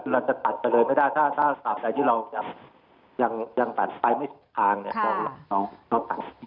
เราจะตัดไปเลยไม่ได้ถ้าถ้าตัดใดที่เรายังยังยังตัดไปไม่สุดทางเนี้ย